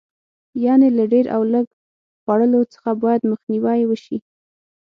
یعنې له ډېر او لږ خوړلو څخه باید مخنیوی وشي.